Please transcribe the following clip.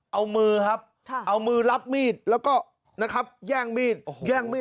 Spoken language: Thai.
เอามือครับเอามือรับมีดแล้วก็นะครับแย่งมีดแย่งมีด